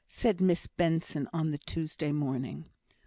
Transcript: said Miss Benson on the Tuesday morning.